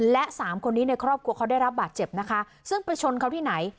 และสามคนนี้ในครอบครัวเขาได้รับบาดเจ็บนะคะซึ่งไปชนเขาที่ไหน